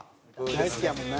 大好きやもんね。